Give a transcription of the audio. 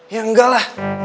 ya enggak lah